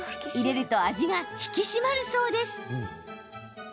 入れると味が引き締まるそうです。